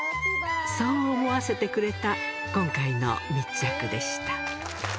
そう思わせてくれた今回の密着でした。